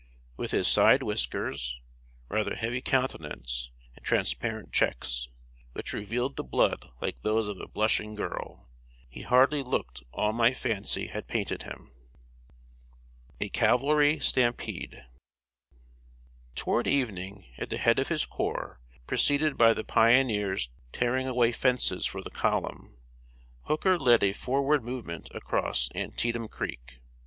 With his side whiskers, rather heavy countenance, and transparent cheeks, which revealed the blood like those of a blushing girl, he hardly looked all my fancy had painted him. [Sidenote: A CAVALRY STAMPEDE.] Toward evening, at the head of his corps, preceded by the pioneers tearing away fences for the column, Hooker led a forward movement across Antietam Creek.